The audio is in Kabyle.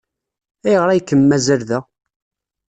Ayɣer ay kem-mazal da?